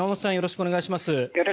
お願いします。